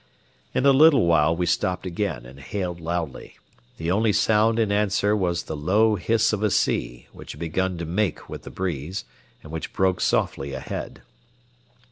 In a little while we stopped again and hailed loudly. The only sound in answer was the low hiss of a sea, which had begun to make with the breeze, and which broke softly ahead.